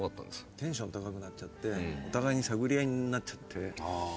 テンション高くなっちゃってお互いに探り合いになっちゃって。